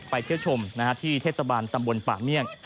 ไปเที่ยวชมนะฮะที่เทศบาลตำบลป่าเหมียง